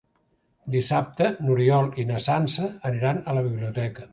Dissabte n'Oriol i na Sança aniran a la biblioteca.